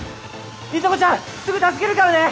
里紗子ちゃんすぐ助けるからね！